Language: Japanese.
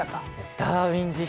「ダーウィン事変」。